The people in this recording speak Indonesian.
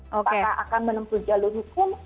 apakah akan menempuh jalur hukum